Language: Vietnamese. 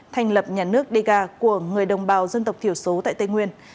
thành lập nhà nước dega của người đồng bào dân tộc thiểu số tại tây nguyên